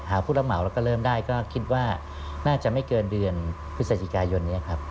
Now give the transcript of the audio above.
ผู้รับเหมาแล้วก็เริ่มได้ก็คิดว่าน่าจะไม่เกินเดือนพฤศจิกายนนี้ครับ